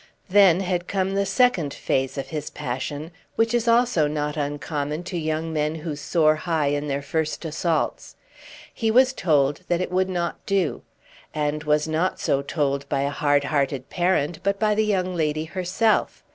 Then had come the second phase of his passion, which is also not uncommon to young men who soar high in their first assaults. He was told that it would not do; and was not so told by a hard hearted parent, but by the young lady herself.